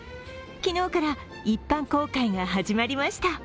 昨日から一般公開が始まりました。